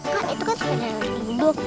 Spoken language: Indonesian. kan itu kan sepeda yang berduduk